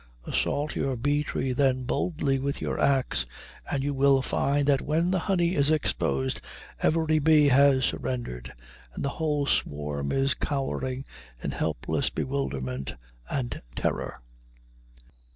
Assault your bee tree, then, boldly with your ax, and you will find that when the honey is exposed every bee has surrendered and the whole swarm is cowering in helpless bewilderment and terror.